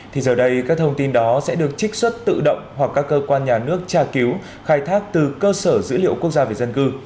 thì giờ đây các thông tin đó sẽ được trích xuất tự động hoặc các cơ quan nhà nước tra cứu khai thác từ cơ sở dữ liệu quốc gia về dân cư